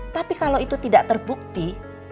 tapi kalau itu tidak terbukti